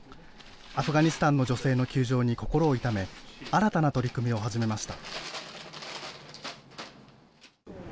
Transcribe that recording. アフガニスタンの女性の窮状に心を痛め、新たな取り組みを始めました。